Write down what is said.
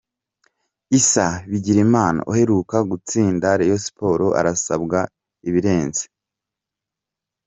Issa Bigirimana uheruka gutsinda Rayon Sports arasabwa ibirenze.